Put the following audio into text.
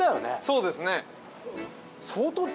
そうですね。